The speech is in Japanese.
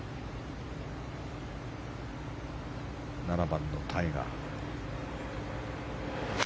７番のタイガー。